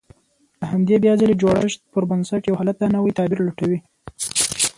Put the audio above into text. د همدې بيا ځلې جوړښت پر بنسټ يو حالت ته نوی تعبير لټوي.